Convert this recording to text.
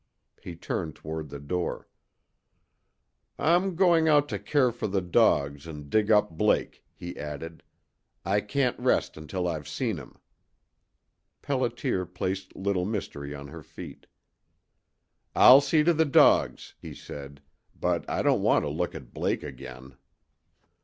He turned toward the door. "I'm going out to care for the dogs and dig up Blake," he added. "I can't rest until I've seen him." Pelliter placed Little Mystery on her feet. "I'll see to the dogs," he said. "But I don't want to look at Blake again."